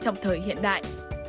trong thời hiện đại